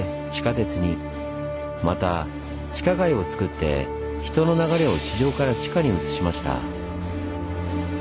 また地下街をつくって人の流れを地上から地下に移しました。